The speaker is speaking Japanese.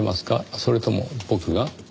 それとも僕が？